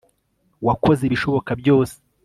wakoze ibishoboka byose